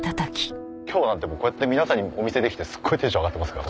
今日はこうやって皆さんにお見せできてすっごいテンション上がってますから。